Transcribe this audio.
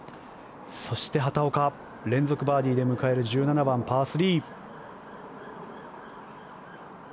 そして、畑岡連続バーディーで迎える１７番、パー３。